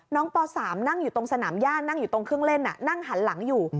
ป๓นั่งอยู่ตรงสนามย่านั่งอยู่ตรงเครื่องเล่นนั่งหันหลังอยู่